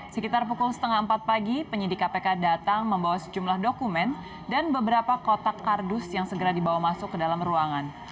sekitar pukul setengah empat pagi penyidik kpk datang membawa sejumlah dokumen dan beberapa kotak kardus yang segera dibawa masuk ke dalam ruangan